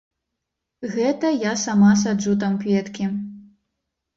Гэта я сама саджу там кветкі.